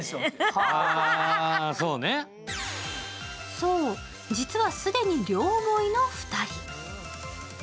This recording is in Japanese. そう、実は既に両思いの２人。